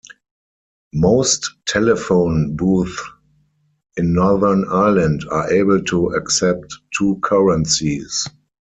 Most telephone booths in Northern Ireland are able to accept two currencies.